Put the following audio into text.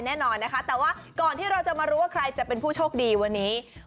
แน่นอนนะคะแต่ว่าก่อนที่เราจะมารู้ว่าใครจะเป็นผู้โชคดีวันนี้